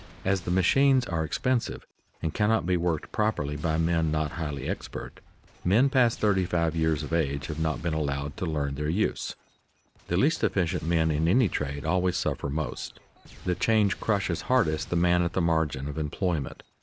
As the machines are expensive and cannot be worked properly by men not highly expert, men past thirty five years of age have not been allowed to learn their use. [Sidenote: Loss falls on the less efficient workers] The least efficient men in any trade always suffer most. The change crushes hardest the man at the margin of employment.